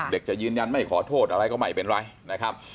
จะยืนยันไม่ขอโทษอะไรก็ไม่เป็นไรนะครับ